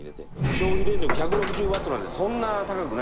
消費電力１６０ワットなんでそんな高くないです。